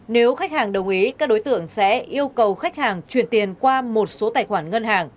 nếu khách hàng đồng ý các đối tượng sẽ yêu cầu khách hàng chuyển tiền qua một số tài khoản ngân hàng